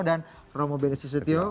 dan roma beni sistio